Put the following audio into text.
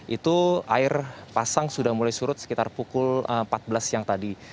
itu air pasang sudah mulai surut sekitar pukul empat belas siang tadi